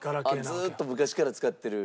ずーっと昔から使ってる。